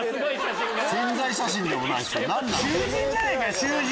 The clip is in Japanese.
宣材写真でもないし何なの？